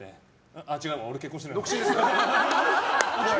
ああ、違うわ、俺結婚してないわ。